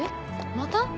また？